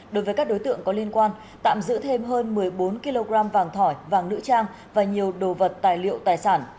đối với các đối tượng có liên quan tạm giữ thêm hơn một mươi bốn kg vàng thỏi vàng nữ trang và nhiều đồ vật tài liệu tài sản